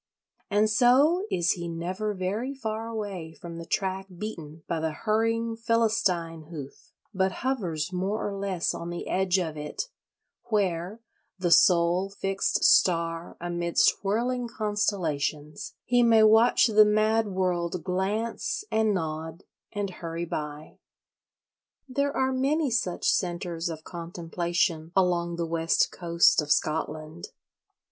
And so is he never very far away from the track beaten by the hurrying Philistine hoof, but hovers more or less on the edge of it, where, the sole fixed star amidst whirling constellations, he may watch the mad world "glance, and nod, and hurry by." There are many such centres of contemplation along the West Coast of Scotland.